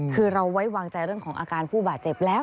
คือเราไว้วางใจเรื่องของอาการผู้บาดเจ็บแล้ว